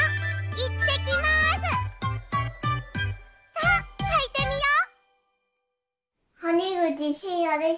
さあはいてみよう！